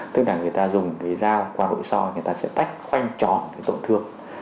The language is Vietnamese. tức là người ta dùng cái dao qua nội soi người ta sẽ tách khoanh tròn tổn thương